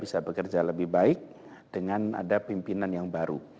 bisa bekerja lebih baik dengan ada pimpinan yang baru